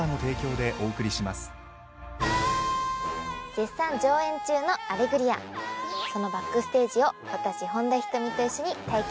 絶賛上映中の『アレグリア』そのバックステージを私本田仁美と一緒に体験しましょう。